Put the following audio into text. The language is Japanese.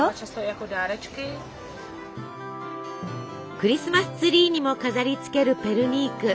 クリスマスツリーにも飾りつけるペルニーク。